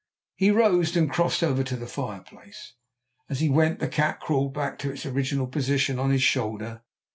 He rose, and crossed over to the fireplace. As he went the cat crawled back to its original position on his shoulder.